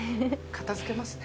片づけますね。